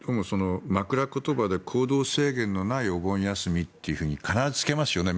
枕ことばで行動制限のないお盆休みと必ずつけますよね